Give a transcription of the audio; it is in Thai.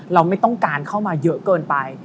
เราไม่ต้องการเข้ามาเยอะเกินไป